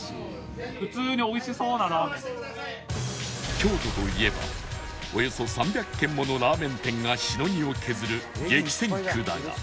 京都といえばおよそ３００軒ものラーメン店がしのぎを削る激戦区だが